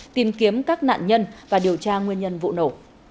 tìm kiếm các nạn nhân và điều tra nguyên nhân vụ nổ